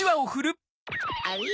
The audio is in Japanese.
あれ？